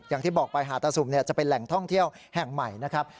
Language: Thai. อย่างที่บอกไปหาตะสุ่มจะเป็นแหล่งท่องเที่ยวแห่งใหม่นะครับ